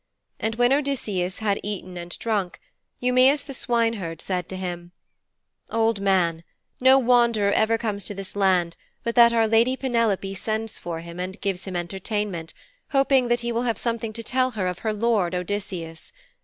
And when Odysseus had eaten and drunken, Eumæus the swineherd said to him: 'Old man, no wanderer ever comes to this land but that our lady Penelope sends for him, and gives him entertainment, hoping that he will have something to tell her of her lord, Odysseus.